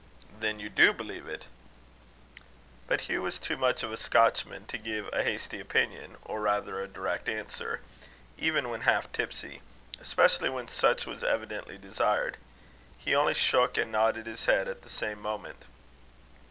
"Then you do believe it?" But Hugh was too much of a Scotchman to give a hasty opinion, or rather a direct answer even when half tipsy; especially when such was evidently desired. He only shook and nodded his head at the same moment.